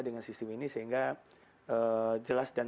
dengan sistem ini sehingga jelas dan